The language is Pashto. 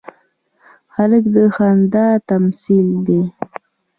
هلک د خندا تمثیل دی.